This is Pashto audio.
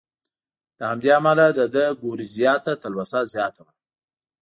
له همدې امله د ده ګورېزیا ته تلوسه زیاته وه.